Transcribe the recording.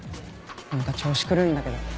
何か調子狂うんだけど。